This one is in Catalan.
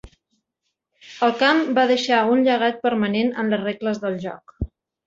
El camp va deixar un llegat permanent en les regles del joc.